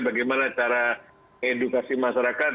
bagaimana cara edukasi masyarakat